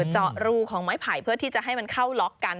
เจาะรูของไม้ไผ่เพื่อที่จะให้มันเข้าล็อกกัน